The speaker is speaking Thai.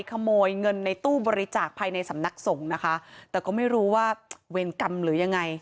ขโมยเงินในตู้บริจาคภายในสำนักสงฆ์นะคะแต่ก็ไม่รู้ว่าเวรกรรมหรือยังไง